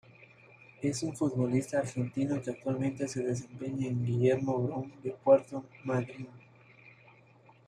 Es un futbolista argentino que actualmente se desempeña en Guillermo Brown de Puerto Madryn.